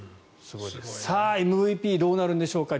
さあ、ＭＶＰどうなるんでしょうか。